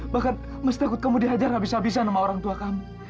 bahkan mas takut kamu dihajar habis habisan sama orangtuaku